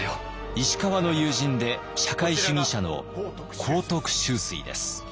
石川の友人で社会主義者の幸徳秋水です。